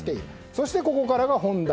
そして、ここからは本題。